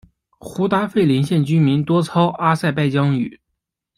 胡达费林县居民多操阿塞拜疆语。